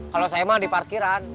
kalau saya mah di parkiran